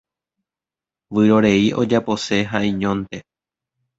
Vyrorei ojapose ha'eñónte.